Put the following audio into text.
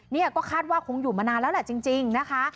นี่ก็คาดว่าคงอยู่มานานแล้วแหละจริงนะคะ